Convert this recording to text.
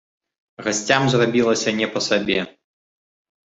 Гасцям зрабілася не па сабе.